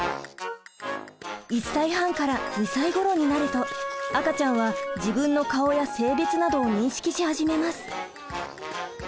１歳半から２歳ごろになると赤ちゃんは自分の顔や性別などを認識し始めます。